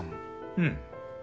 うん。